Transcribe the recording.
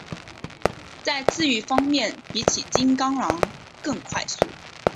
在自愈方面比起金钢狼更快速。